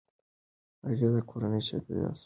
هغې د کورني چاپیریال سوله ایز ساتي.